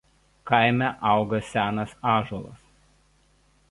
Kaime auga senas ąžuolas.